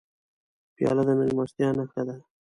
پیاله د میلمستیا نښه ده.